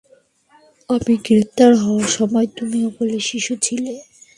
আমি গ্রেফতার হওয়ার সময়ও তুমি কোলের শিশু ছিলে।